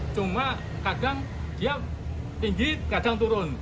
cuma kadang dia tinggi kadang turun